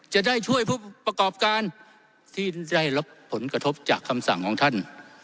จะได้ช่วยผู้ประกอบการที่ได้รับผลกระทบจากคำสั่งของท่าน